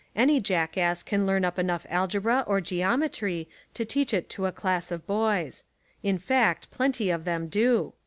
Any jackass can learn up enough algebra or geometry to teach it to a class of boys : in fact plenty of them do.